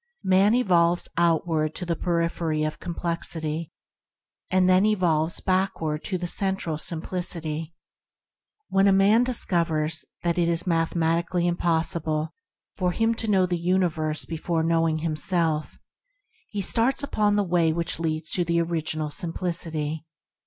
Man evolves outward to the periphery of complexity, and then involves backward to the Central Simplicity. When a man discovers that it is mathematically impos sible for him to know the universe be fore knowing himself, he starts upon the Way which leads to the Original Simplicity.